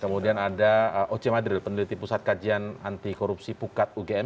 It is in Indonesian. kemudian ada oce madril peneliti pusat kajian anti korupsi pukat ugm